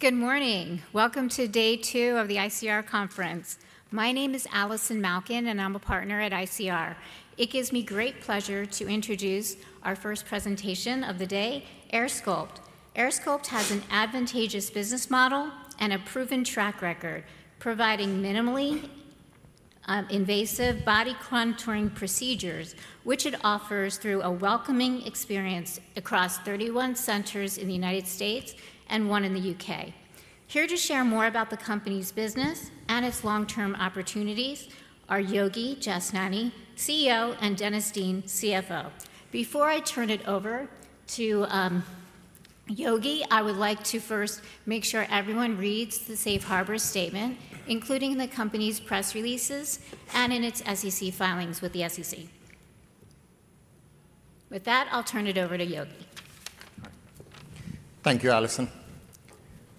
Good morning. Welcome to Day 2 of the ICR Conference. My name is Allison Malkin, and I'm a partner at ICR. It gives me great pleasure to introduce our first presentation of the day, AirSculpt. AirSculpt has an advantageous business model and a proven track record, providing minimally invasive body contouring procedures, which it offers through a welcoming experience across 31 centers in the United States and one in the U.K. Here to share more about the company's business and its long-term opportunities are Yogi Jashnani, CEO, and Dennis Dean, CFO. Before I turn it over to Yogi, I would like to first make sure everyone reads the Safe Harbor Statement, including the company's press releases and in its SEC filings with the SEC. With that, I'll turn it over to Yogi. Thank you, Allison.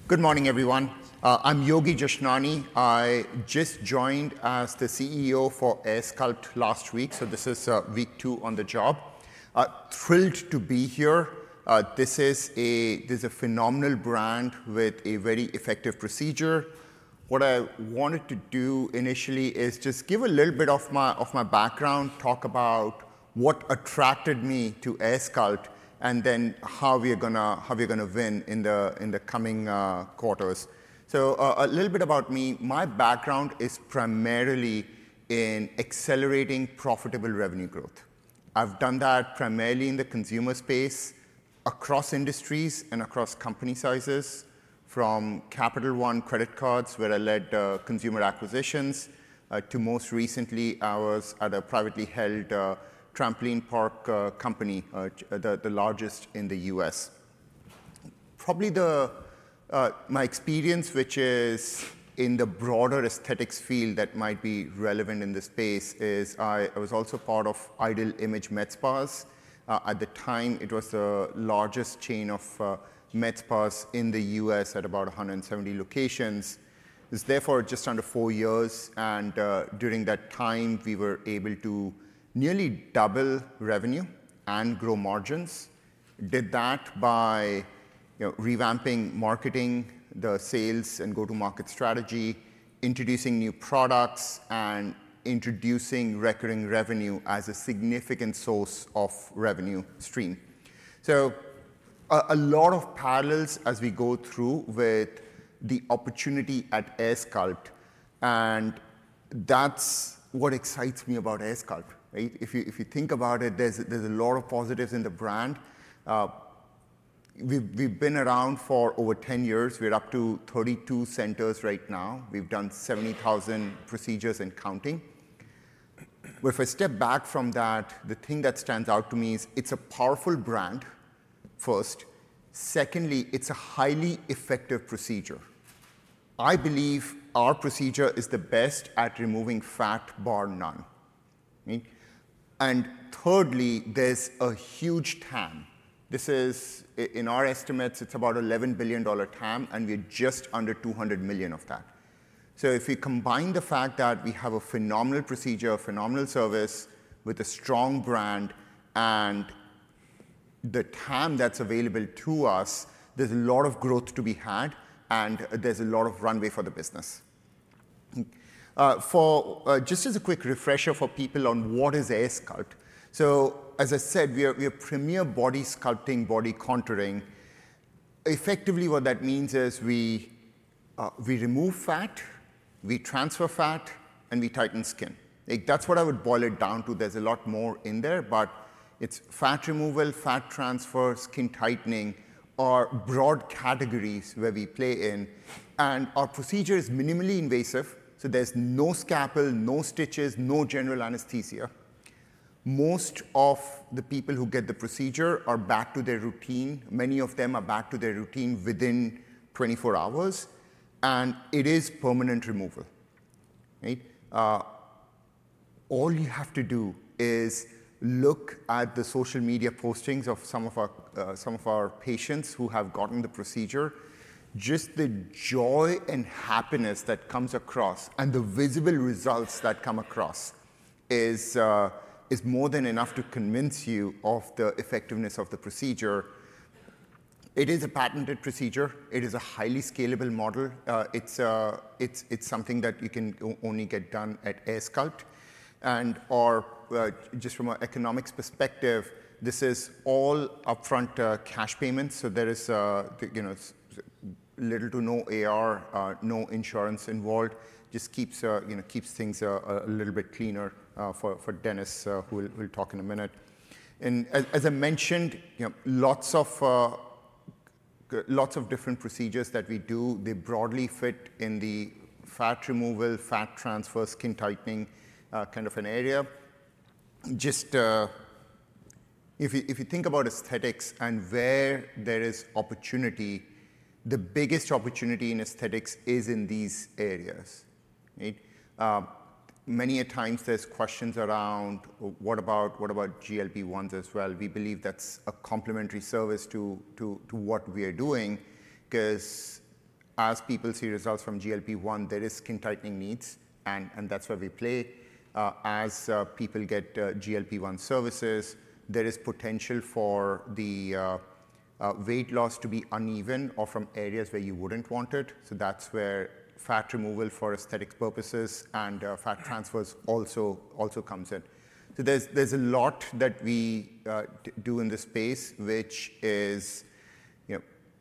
Good morning, everyone. I'm Yogi Jashnani. I just joined as the CEO for AirSculpt last week, so this is week two on the job. Thrilled to be here. This is a phenomenal brand with a very effective procedure. What I wanted to do initially is just give a little bit of my background, talk about what attracted me to AirSculpt, and then how we're going to win in the coming quarters. So a little bit about me. My background is primarily in accelerating profitable revenue growth. I've done that primarily in the consumer space, across industries and across company sizes, from Capital One credit cards, where I led consumer acquisitions, to most recently ours at a privately-held trampoline park company, the largest in the U.S. Probably my experience, which is in the broader aesthetics field that might be relevant in this space, is I was also part of Ideal Image med spas. At the time, it was the largest chain of med spas in the U.S. at about 170 locations. It was there for just under four years, and during that time, we were able to nearly double revenue and grow margins. Did that by revamping marketing, the sales, and go-to-market strategy, introducing new products, and introducing recurring revenue as a significant source of revenue stream. So a lot of parallels as we go through with the opportunity at AirSculpt, and that's what excites me about AirSculpt. If you think about it, there's a lot of positives in the brand. We've been around for over 10 years. We're up to 32 centers right now. We've done 70,000 procedures and counting. If I step back from that, the thing that stands out to me is it's a powerful brand, first. Secondly, it's a highly effective procedure. I believe our procedure is the best at removing fat, bar none. And thirdly, there's a huge TAM. In our estimates, it's about $11 billion TAM, and we're just under $200 million of that. So if we combine the fact that we have a phenomenal procedure, a phenomenal service, with a strong brand, and the TAM that's available to us, there's a lot of growth to be had, and there's a lot of runway for the business. Just as a quick refresher for people on what is AirSculpt, so as I said, we are premier body sculpting, body contouring. Effectively, what that means is we remove fat, we transfer fat, and we tighten skin. That's what I would boil it down to. There's a lot more in there, but it's fat removal, fat transfer, skin tightening, our broad categories where we play in. And our procedure is minimally invasive, so there's no scalpel, no stitches, no general anesthesia. Most of the people who get the procedure are back to their routine. Many of them are back to their routine within 24 hours, and it is permanent removal. All you have to do is look at the social media postings of some of our patients who have gotten the procedure. Just the joy and happiness that comes across and the visible results that come across is more than enough to convince you of the effectiveness of the procedure. It is a patented procedure. It is a highly scalable model. It's something that you can only get done at AirSculpt. And just from an economics perspective, this is all upfront cash payments, so there is little to no AR, no insurance involved. Just keeps things a little bit cleaner for Dennis, who will talk in a minute. And as I mentioned, lots of different procedures that we do, they broadly fit in the fat removal, fat transfer, skin tightening kind of an area. Just if you think about aesthetics and where there is opportunity, the biggest opportunity in aesthetics is in these areas. Many a times, there's questions around, what about GLP-1s as well? We believe that's a complementary service to what we are doing because as people see results from GLP-1, there are skin tightening needs, and that's where we play. As people get GLP-1 services, there is potential for the weight loss to be uneven or from areas where you wouldn't want it. So that's where fat removal for aesthetic purposes and fat transfers also comes in. So there's a lot that we do in this space, which is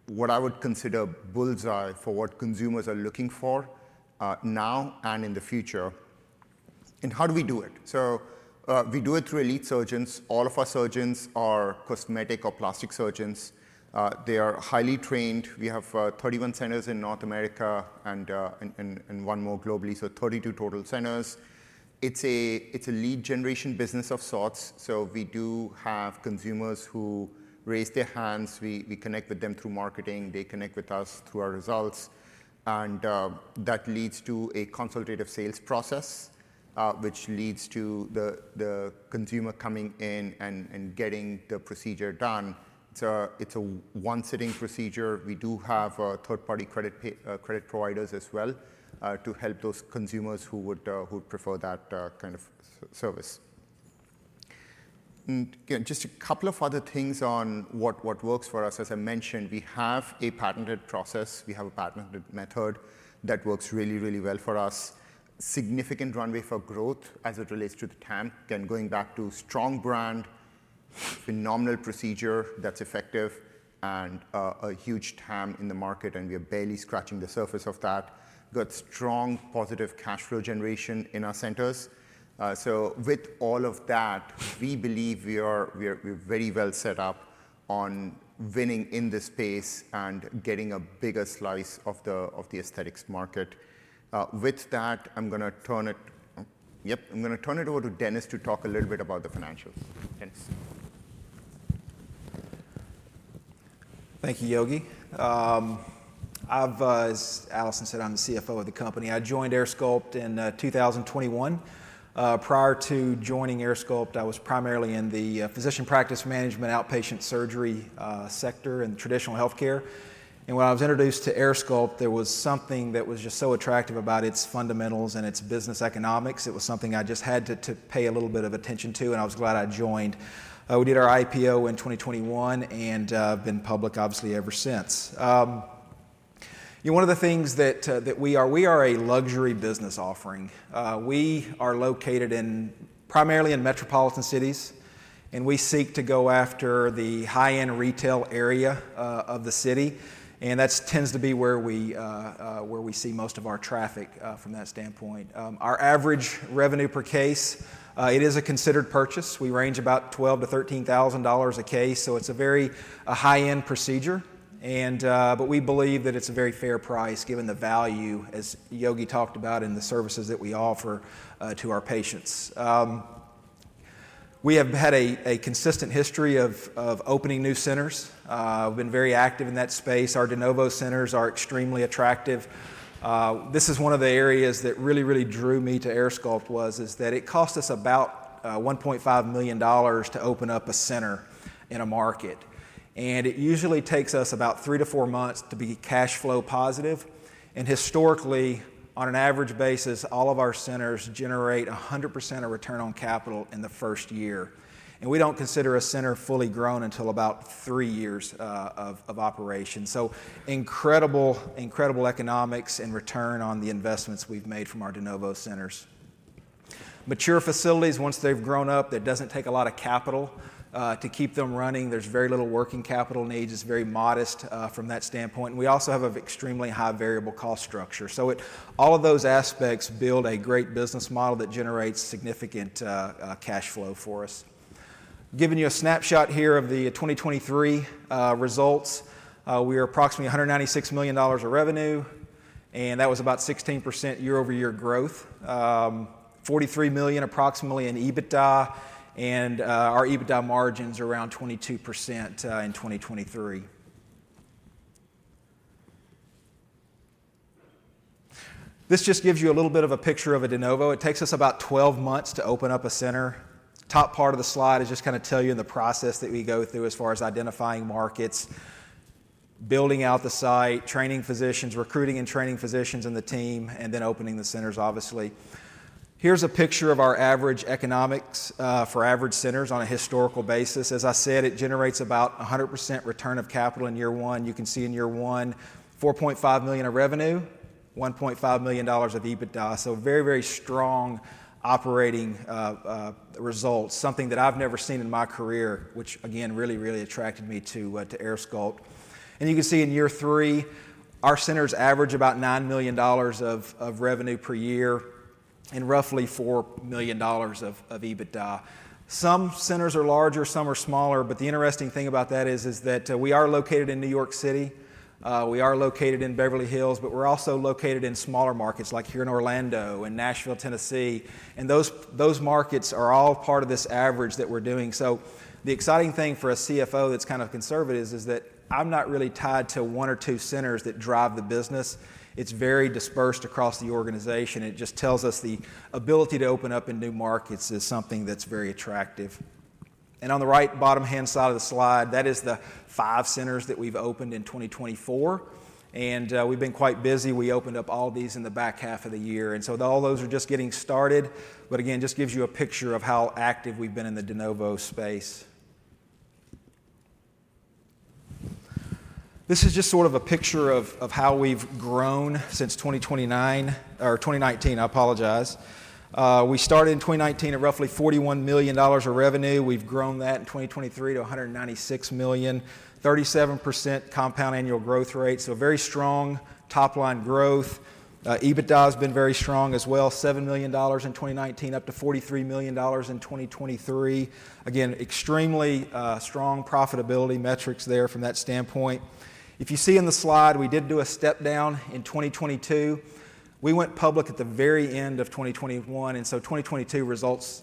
what I would consider bullseye for what consumers are looking for now and in the future. And how do we do it? So we do it through elite surgeons. All of our surgeons are cosmetic or plastic surgeons. They are highly trained. We have 31 centers in North America and one more globally, so 32 total centers. It's a lead generation business of sorts, so we do have consumers who raise their hands. We connect with them through marketing. They connect with us through our results. And that leads to a consultative sales process, which leads to the consumer coming in and getting the procedure done. It's a one-sitting procedure. We do have third-party credit providers as well to help those consumers who would prefer that kind of service. Just a couple of other things on what works for us. As I mentioned, we have a patented process. We have a patented method that works really, really well for us. Significant runway for growth as it relates to the TAM. Again, going back to strong brand, phenomenal procedure that's effective, and a huge TAM in the market, and we are barely scratching the surface of that. We've got strong positive cash flow generation in our centers. So with all of that, we believe we are very well set up on winning in this space and getting a bigger slice of the aesthetics market. With that, I'm going to turn it over to Dennis to talk a little bit about the financials. Dennis. Thank you, Yogi. As Allison said, I'm the CFO of the company. I joined AirSculpt in 2021. Prior to joining AirSculpt, I was primarily in the physician practice management outpatient surgery sector in traditional healthcare. And when I was introduced to AirSculpt, there was something that was just so attractive about its fundamentals and its business economics. It was something I just had to pay a little bit of attention to, and I was glad I joined. We did our IPO in 2021 and have been public, obviously, ever since. One of the things that we are a luxury business offering. We are located primarily in metropolitan cities, and we seek to go after the high-end retail area of the city. And that tends to be where we see most of our traffic from that standpoint. Our average revenue per case, it is a considered purchase. We range about $12,000-$13,000 a case, so it's a very high-end procedure, but we believe that it's a very fair price given the value, as Yogi talked about, and the services that we offer to our patients. We have had a consistent history of opening new centers. We've been very active in that space. Our de novo centers are extremely attractive. This is one of the areas that really, really drew me to AirSculpt, was that it cost us about $1.5 million to open up a center in a market. It usually takes us about three to four months to be cash flow positive. Historically, on an average basis, all of our centers generate 100% of return on capital in the first year. We don't consider a center fully grown until about three years of operation. Incredible economics and return on the investments we've made from our de novo centers. Mature facilities, once they've grown up, that doesn't take a lot of capital to keep them running. There's very little working capital needs. It's very modest from that standpoint. We also have an extremely high variable cost structure. So all of those aspects build a great business model that generates significant cash flow for us. Giving you a snapshot here of the 2023 results, we are approximately $196 million of revenue, and that was about 16% year-over-year growth, $43 million approximately in EBITDA, and our EBITDA margins are around 22% in 2023. This just gives you a little bit of a picture of a de novo. It takes us about 12 months to open up a center. Top part of the slide is just kind of tell you the process that we go through as far as identifying markets, building out the site, training physicians, recruiting and training physicians in the team, and then opening the centers, obviously. Here's a picture of our average economics for average centers on a historical basis. As I said, it generates about 100% return of capital in year one. You can see in year one, $4.5 million of revenue, $1.5 million of EBITDA, so very, very strong operating results, something that I've never seen in my career, which, again, really, really attracted me to AirSculpt, and you can see in year three, our centers average about $9 million of revenue per year and roughly $4 million of EBITDA. Some centers are larger, some are smaller, but the interesting thing about that is that we are located in New York City. We are located in Beverly Hills, but we're also located in smaller markets like here in Orlando and Nashville, Tennessee, and those markets are all part of this average that we're doing, so the exciting thing for a CFO that's kind of conservative is that I'm not really tied to one or two centers that drive the business. It's very dispersed across the organization. It just tells us the ability to open up in new markets is something that's very attractive, and on the right bottom-hand side of the slide, that is the five centers that we've opened in 2024, and we've been quite busy. We opened up all these in the back half of the year, and so all those are just getting started, but again, just gives you a picture of how active we've been in the de novo space. This is just sort of a picture of how we've grown since 2019. I apologize. We started in 2019 at roughly $41 million of revenue. We've grown that in 2023 to $196 million, 37% compound annual growth rate, so very strong top-line growth. EBITDA has been very strong as well, $7 million in 2019, up to $43 million in 2023. Again, extremely strong profitability metrics there from that standpoint. If you see in the slide, we did do a step down in 2022. We went public at the very end of 2021, and so 2022 results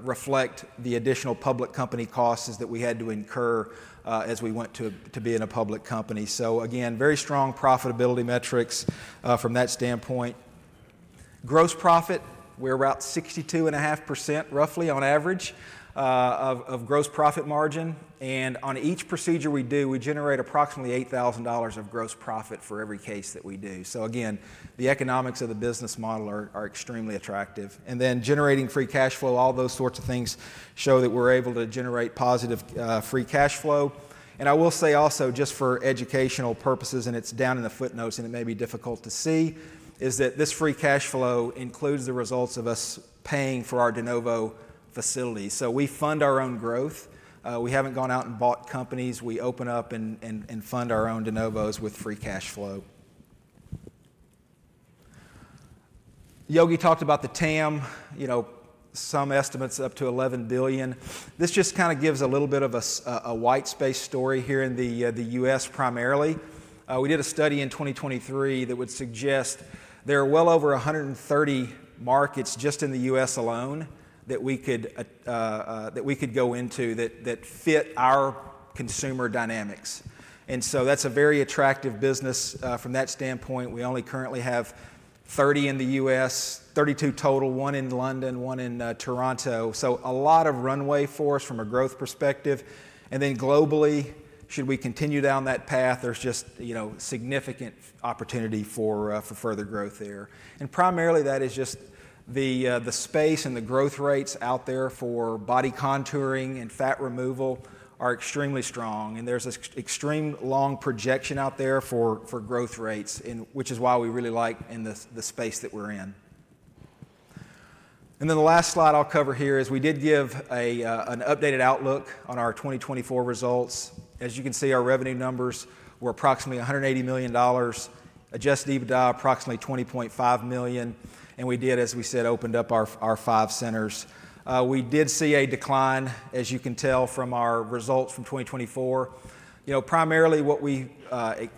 reflect the additional public company costs that we had to incur as we went to be in a public company. So again, very strong profitability metrics from that standpoint. Gross profit, we're about 62.5% roughly on average of gross profit margin. And on each procedure we do, we generate approximately $8,000 of gross profit for every case that we do. So again, the economics of the business model are extremely attractive. And then generating free cash flow, all those sorts of things show that we're able to generate positive free cash flow. And I will say also, just for educational purposes, and it's down in the footnotes and it may be difficult to see, is that this free cash flow includes the results of us paying for our de novo facilities. So we fund our own growth. We haven't gone out and bought companies. We open up and fund our own de novos with free cash flow. Yogi talked about the TAM, some estimates up to $11 billion. This just kind of gives a little bit of a white space story here in the U.S. primarily. We did a study in 2023 that would suggest there are well over 130 markets just in the U.S. alone that we could go into that fit our consumer dynamics, and so that's a very attractive business from that standpoint. We only currently have 30 in the U.S., 32 total, one in London, one in Toronto, so a lot of runway for us from a growth perspective, and then globally, should we continue down that path, there's just significant opportunity for further growth there, and primarily, that is just the space and the growth rates out there for body contouring and fat removal are extremely strong, and there's an extreme long projection out there for growth rates, which is why we really like the space that we're in, and then the last slide I'll cover here is, we did give an updated outlook on our 2024 results. As you can see, our revenue numbers were approximately $180 million, adjusted EBITDA approximately $20.5 million. And we did, as we said, opened up our five centers. We did see a decline, as you can tell from our results from 2024. Primarily, what we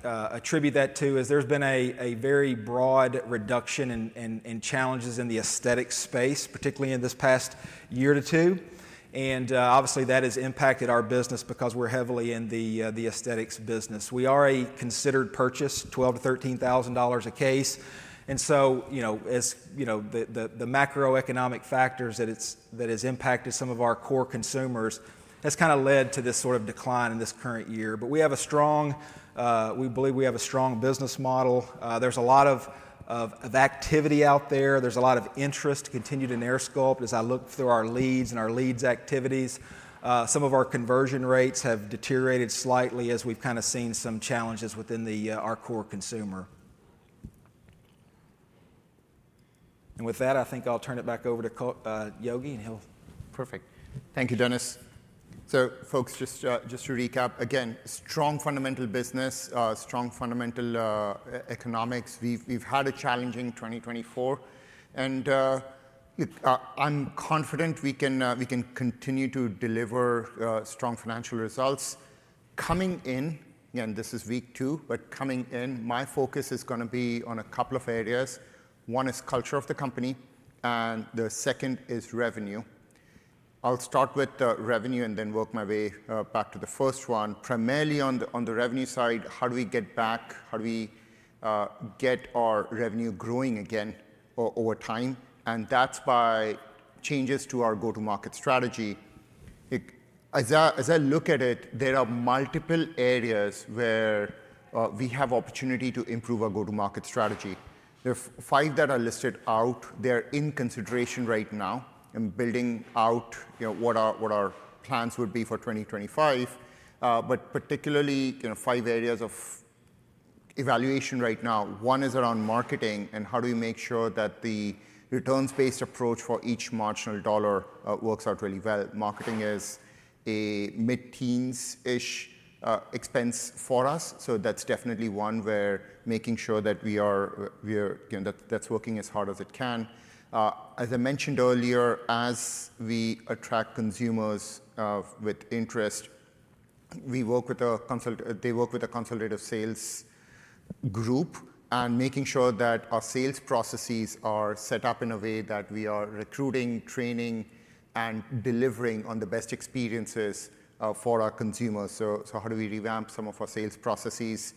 attribute that to is there's been a very broad reduction in challenges in the aesthetics space, particularly in this past year or two. And obviously, that has impacted our business because we're heavily in the aesthetics business. We are a considered purchase, $12,000-$13,000 a case. And so the macroeconomic factors that have impacted some of our core consumers have kind of led to this sort of decline in this current year. But we believe we have a strong business model. There's a lot of activity out there. There's a lot of interest continued in AirSculpt as I look through our leads and our leads activities. Some of our conversion rates have deteriorated slightly as we've kind of seen some challenges within our core consumer, and with that, I think I'll turn it back over to Yogi, and he'll. Perfect. Thank you, Dennis. So folks, just to recap, again, strong fundamental business, strong fundamental economics. We've had a challenging 2024. And I'm confident we can continue to deliver strong financial results. Coming in, again, this is week two, but coming in, my focus is going to be on a couple of areas. One is culture of the company, and the second is revenue. I'll start with revenue and then work my way back to the first one. Primarily on the revenue side, how do we get back? How do we get our revenue growing again over time? And that's by changes to our go-to-market strategy. As I look at it, there are multiple areas where we have opportunity to improve our go-to-market strategy. There are five that are listed out. They're in consideration right now and building out what our plans would be for 2025. But particularly, five areas of evaluation right now. One is around marketing and how do we make sure that the returns-based approach for each marginal dollar works out really well. Marketing is a mid-teens-ish expense for us. So that's definitely one where making sure that that's working as hard as it can. As I mentioned earlier, as we attract consumers with interest, we work with a consultative sales group and making sure that our sales processes are set up in a way that we are recruiting, training, and delivering on the best experiences for our consumers. So how do we revamp some of our sales processes?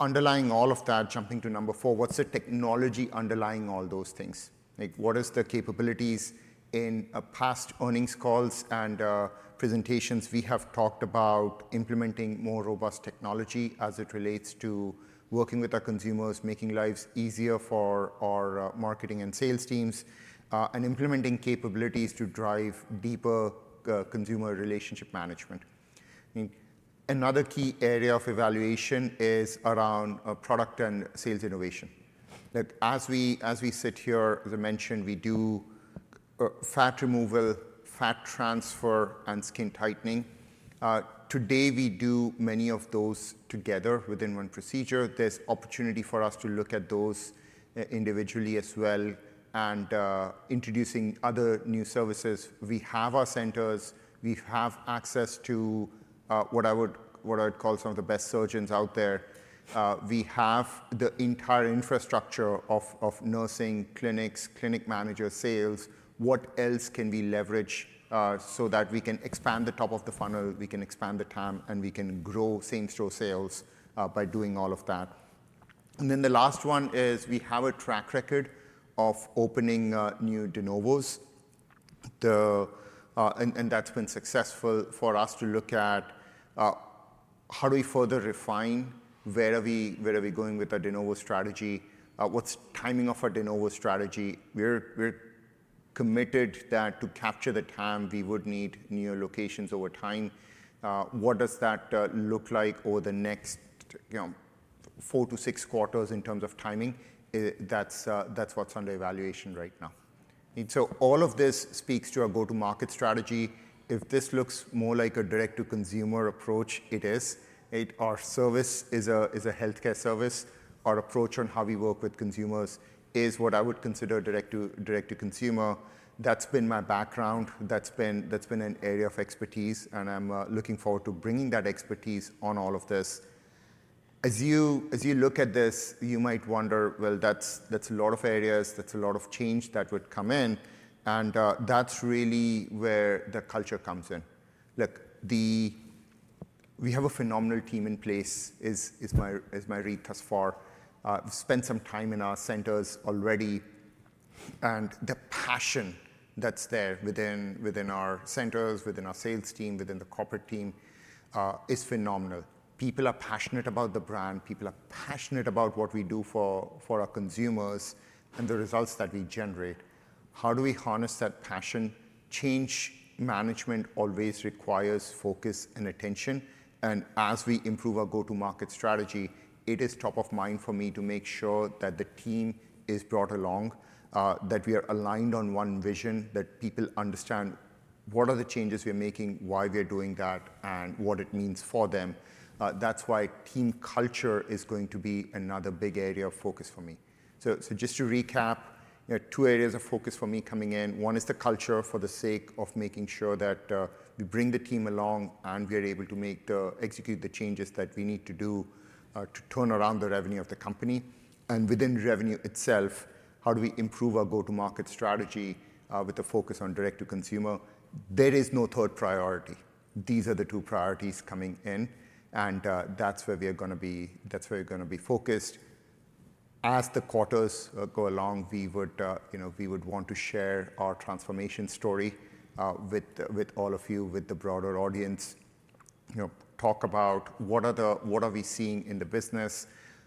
Underlying all of that, jumping to number four, what's the technology underlying all those things? What are the capabilities in past earnings calls and presentations? We have talked about implementing more robust technology as it relates to working with our consumers, making lives easier for our marketing and sales teams, and implementing capabilities to drive deeper consumer relationship management. Another key area of evaluation is around product and sales innovation. As we sit here, as I mentioned, we do fat removal, fat transfer, and skin tightening. Today, we do many of those together within one procedure. There's opportunity for us to look at those individually as well and introducing other new services. We have our centers. We have access to what I would call some of the best surgeons out there. We have the entire infrastructure of nursing, clinics, clinic managers, sales. What else can we leverage so that we can expand the top of the funnel, we can expand the TAM, and we can grow same-store sales by doing all of that? And then the last one is we have a track record of opening new de novos. And that's been successful for us to look at how do we further refine, where are we going with our de novo strategy, what's timing of our de novo strategy? We're committed to capture the TAM. We would need new locations over time. What does that look like over the next four to six quarters in terms of timing? That's what's under evaluation right now. So all of this speaks to our go-to-market strategy. If this looks more like a direct-to-consumer approach, it is. Our service is a healthcare service. Our approach on how we work with consumers is what I would consider direct-to-consumer. That's been my background. That's been an area of expertise, and I'm looking forward to bringing that expertise on all of this. As you look at this, you might wonder, well, that's a lot of areas, that's a lot of change that would come in, and that's really where the culture comes in. Look, we have a phenomenal team in place, is my read thus far. We've spent some time in our centers already, and the passion that's there within our centers, within our sales team, within the corporate team is phenomenal. People are passionate about the brand. People are passionate about what we do for our consumers and the results that we generate. How do we harness that passion? Change management always requires focus and attention. As we improve our go-to-market strategy, it is top of mind for me to make sure that the team is brought along, that we are aligned on one vision, that people understand what are the changes we're making, why we're doing that, and what it means for them. That's why team culture is going to be another big area of focus for me. Just to recap, two areas of focus for me coming in. One is the culture for the sake of making sure that we bring the team along and we are able to execute the changes that we need to do to turn around the revenue of the company. Within revenue itself, how do we improve our go-to-market strategy with a focus on direct-to-consumer? There is no third priority. These are the two priorities coming in, and that's where we're going to be focused. As the quarters go along, we would want to share our transformation story with all of you, with the broader audience, talk about what are we seeing in the business.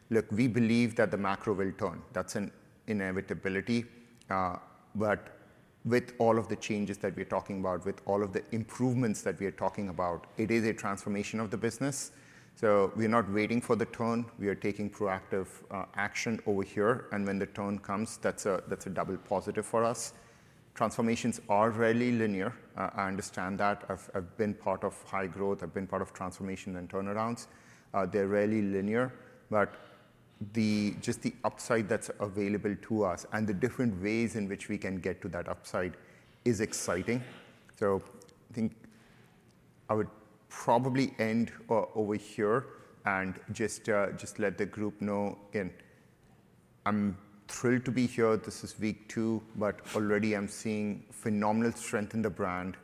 Look, we believe that the macro will turn. That's an inevitability. But with all of the changes that we're talking about, with all of the improvements that we are talking about, it is a transformation of the business. So we're not waiting for the turn. We are taking proactive action over here. And when the turn comes, that's a double positive for us. Transformations are rarely linear. I understand that. I've been part of high growth. I've been part of transformation and turnarounds. They're rarely linear. But just the upside that's available to us and the different ways in which we can get to that upside is exciting. So I think I would probably end over here and just let the group know again, I'm thrilled to be here. This is week two, but already I'm seeing phenomenal strength in the brand,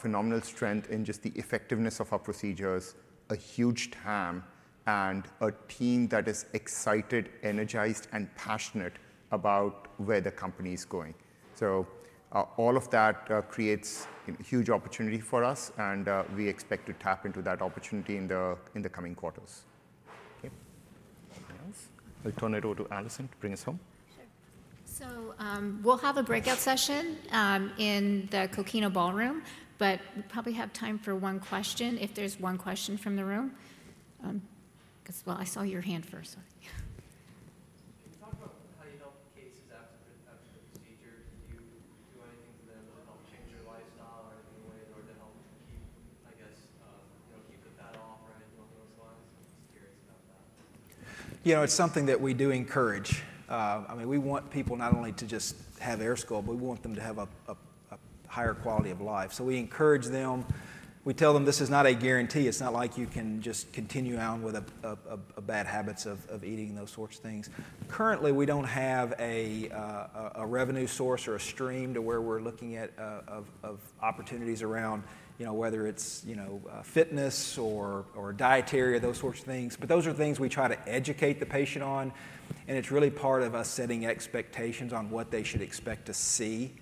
phenomenal strength in just the effectiveness of our procedures, a huge TAM, and a team that is excited, energized, and passionate about where the company is going. So all of that creates a huge opportunity for us, and we expect to tap into that opportunity in the coming quarters. Okay. Anyone else? I'll turn it over to Allison to bring us home. Sure. So we'll have a breakout session in the Coquina Ballroom, but we probably have time for one question if there's one question from the room. Because, well, I saw your hand first. Sorry. Can you talk about how you help patients after the procedure? Do you do anything to them to help change their lifestyle or anything in the way in order to help keep, I guess, keep the fat off or anything along those lines? I'm just curious about that. You know, it's something that we do encourage. I mean, we want people not only to just have AirSculpt, but we want them to have a higher quality of life. So we encourage them. We tell them this is not a guarantee. It's not like you can just continue on with bad habits of eating and those sorts of things. Currently, we don't have a revenue source or a stream to where we're looking at opportunities around whether it's fitness or dietary or those sorts of things. But those are things we try to educate the patient on. And it's really part of us setting expectations on what they should expect to see.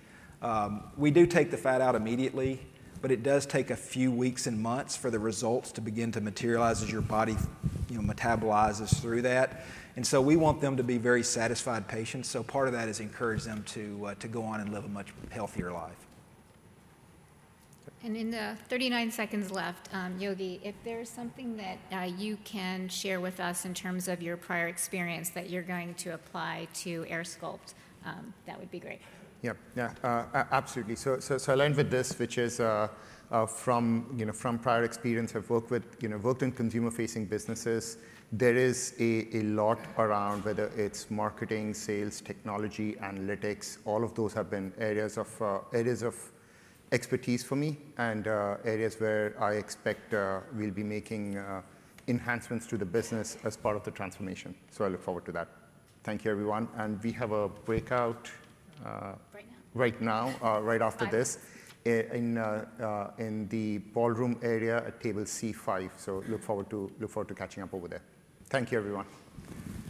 We do take the fat out immediately, but it does take a few weeks and months for the results to begin to materialize as your body metabolizes through that. And so we want them to be very satisfied patients. So part of that is encourage them to go on and live a much healthier life. In the 39 seconds left, Yogi, if there's something that you can share with us in terms of your prior experience that you're going to apply to AirSculpt, that would be great. Yeah, yeah, absolutely. So I learned with this, which is from prior experience. I've worked with consumer-facing businesses. There is a lot around whether it's marketing, sales, technology, analytics. All of those have been areas of expertise for me and areas where I expect we'll be making enhancements to the business as part of the transformation. So I look forward to that. Thank you, everyone. And we have a breakout. Right now, right after this in the ballroom area at table C5. So, look forward to catching up over there. Thank you, everyone.